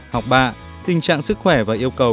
học bạ tình trạng sức khỏe và yêu cầu